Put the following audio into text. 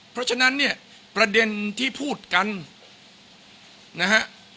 เพราะฉะนั้นเนี่ยประเด็นที่พูดกันนะฮะ